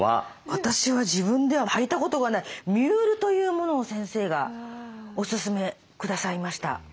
私は自分では履いたことがないミュールというものを先生がおすすめくださいました。